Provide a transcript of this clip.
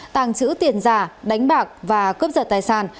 tàng trữ tiền giả đánh bạc và cướp giật tài sản